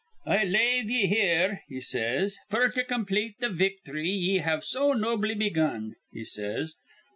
'I lave ye here,' he says, 'f'r to complete th' victhry ye have so nobly begun,' he says.